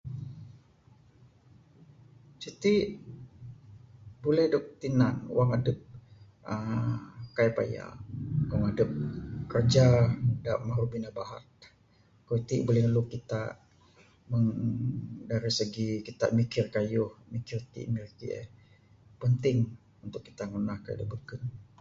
Siti buleh dog tinan wang adep uhh kaii payak...Wang adep kiraja da maru bina bahat...kayuh ti buleh nulung kita meng dari segi kita mikir kayuh mikir ti mikir eh... Penting untuk kita ngunah kayuh da beken.